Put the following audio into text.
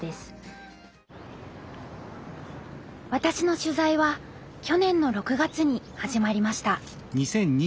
私の取材は去年の６月に始まりました。